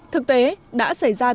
thực tế đã xảy ra tình trạng